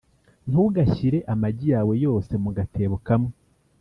ntugashyire amagi yawe yose mu gatebo kamwe